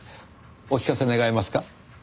お聞かせ願えますか？